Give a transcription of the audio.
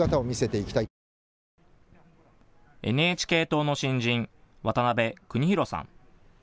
ＮＨＫ党の新人、渡辺晋宏さん。